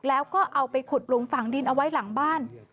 แล้วก็เอาไปขุดปรุงฝั่งดินเอาไว้หลังบ้าน